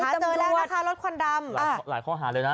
เจอแล้วนะคะรถควันดำหลายข้อหาเลยนะ